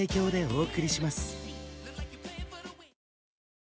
お！